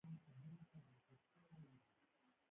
فیوډالانو خپلې غوښتنې د بزګرانو په استثمار پوره کولې.